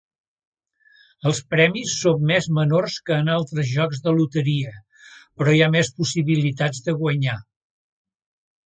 Els premis són més menors que en altres jocs de loteria, però hi ha més possibilitats de guanyar.